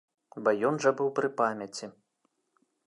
Бо ён жа быў пры памяці.